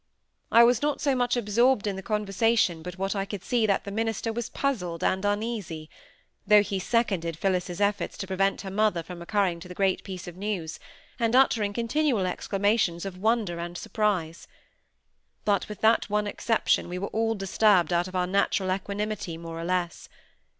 I was not so much absorbed in the conversation but what I could see that the minister was puzzled and uneasy; though he seconded Phillis's efforts to prevent her mother from recurring to the great piece of news, and uttering continual exclamations of wonder and surprise. But with that one exception we were all disturbed out of our natural equanimity, more or less.